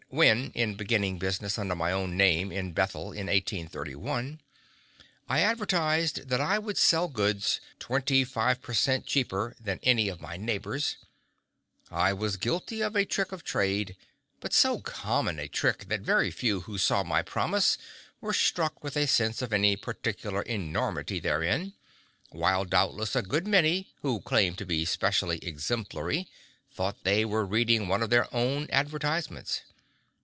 When, in beginning business under my own name in Bethel, in 1831, I advertised that I would sell goods "25 per cent cheaper" than any of my neighbors, I was guilty of a trick of trade, but so common a trick, that very few who saw my promise were struck with a sense of any particular enormity therein, while, doubtless, a good many, who claim to be specially exemplary, thought they were reading one of their own advertisements.